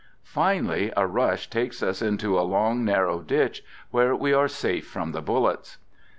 Finally, a rush takes us into a long narrow ditch where we are safe from the bullets.